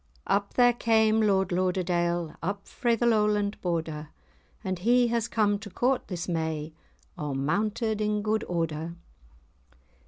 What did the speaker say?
Up there came Lord Lauderdale, Up frae the Lowland Border, And he has come to court this may, A' mounted in good order.